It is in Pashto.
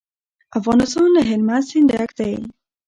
افغانستان له هلمند سیند ډک دی.